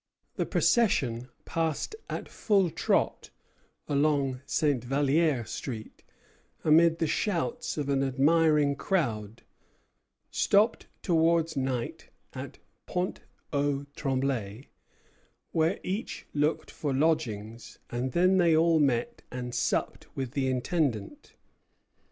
The procession passed at full trot along St. Vallier street amid the shouts of an admiring crowd, stopped towards night at Pointe aux Trembles, where each looked for lodging; and then they all met and supped with the Intendant.